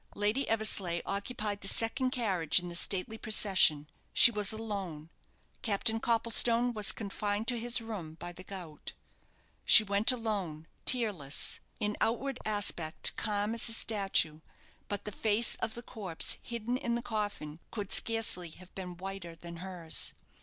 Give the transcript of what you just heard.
Lady Eversleigh occupied the second carriage in the stately procession. She was alone. Captain Copplestone was confined to his room by the gout. She went alone tearless in outward aspect calm as a statue; but the face of the corpse hidden in the coffin could scarcely have been whiter than hers.